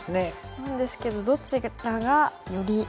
なんですけどどちらがよりいいのか。